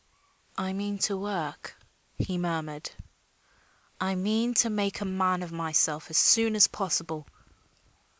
"I mean to work," he murmured. "I mean to make a man of myself as soon as possible."